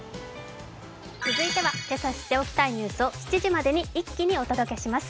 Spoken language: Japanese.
続いては今朝知っておきたいニュースを７時までに一気にお届けします。